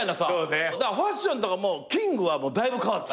ファッションとかキングはだいぶ変わった。